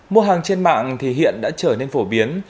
mua hàng trên mạng thì hiện đã trở nên phổ biến